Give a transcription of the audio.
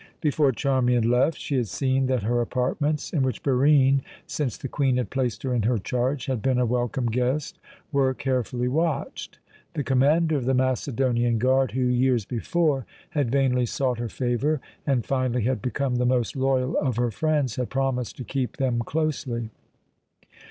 Before Charmian left, she had seen that her apartments in which Barine, since the Queen had placed her in her charge, had been a welcome guest were carefully watched. The commander of the Macedonian guard, who years before had vainly sought her favour, and finally had become the most loyal of her friends, had promised to keep them closely.